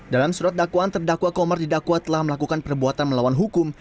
dalam surat dakwaan terdakwa komar didakwa telah melakukan perbuatan melawan hukum